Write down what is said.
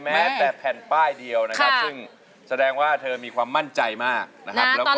แม้แต่แผ่นป้ายเดียวนะครับซึ่งแสดงว่าเธอมีความมั่นใจมากนะครับ